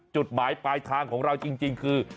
จุดหมายปลายทางของเราจริงคือ